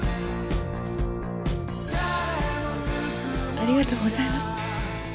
ありがとうございます。